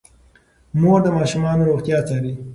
مور د ماشومانو روغتیا څاري.